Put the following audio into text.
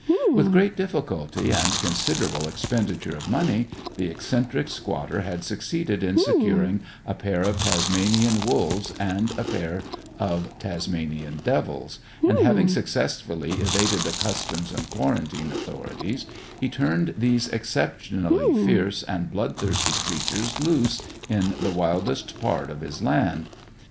With great difficulty and considerable expenditure of money, the eccentric squatter had succeeded in securing a pair of Tasmanian Wolves and a pair of Tasmanian Devils, and, having successfully evaded the customs and quarantine authorities, he turned these exceptionally fierce and bloodthirsty creatures loose in the wildest part of his land.